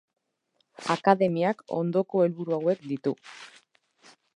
Akademiak ondoko helburu hauek ditu.